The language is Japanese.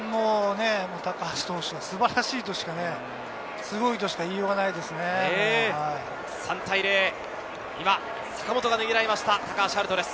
高橋投手、素晴らしいとしか、すごいとしか言いようがないです。